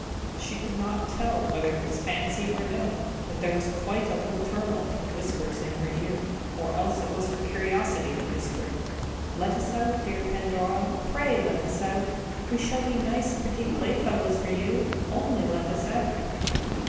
She could not tell whether it was fancy or no; but there was quite a little tumult of whispers in her ear or else it was her curiosity that whispered: "Let us out, dear Pandora pray let us out! We will be such nice pretty playfellows for you! Only let us out!"